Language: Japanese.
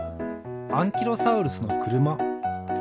アンキロサウルスのくるま。